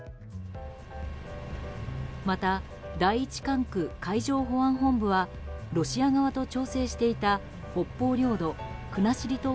また、第１管区海上保安本部はロシア側と調整していた北方領土国後島